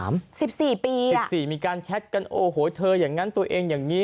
สิบสี่ปีสิบสี่มีการแชทกันโอ้โหเธออย่างนั้นตัวเองอย่างนี้